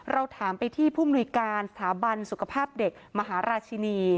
เราถามไปที่ผู้มนุยการสถาบันสุขภาพเด็กมหาราชินี